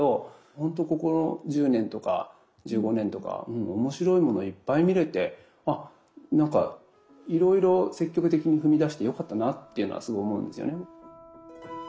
ほんとここ１０年とか１５年とか面白いものをいっぱい見れてなんかいろいろ積極的に踏み出してよかったなっていうのはすごい思うんですよね。